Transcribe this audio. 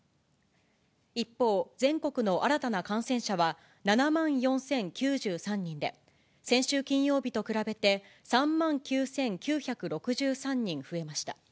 一方、全国の新たな感染者は７万４０９３人で、先週金曜日と比べて、３万９９６３人増えました。